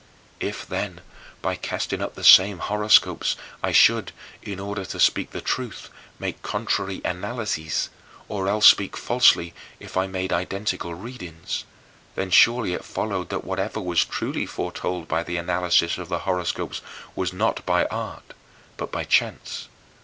If, then, by casting up the same horoscopes I should, in order to speak the truth, make contrary analyses, or else speak falsely if I made identical readings, then surely it followed that whatever was truly foretold by the analysis of the horoscopes was not by art, but by chance.